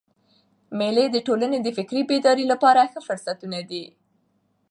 مېلې د ټولني د فکري بیدارۍ له پاره ښه فرصتونه دي.